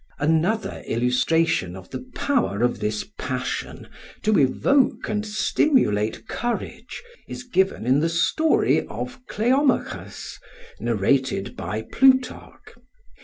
Another illustration of the power of this passion to evoke and stimulate courage is given in the story of Cleomachus, narrated by Plutarch.